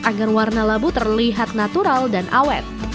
agar warna labu terlihat natural dan awet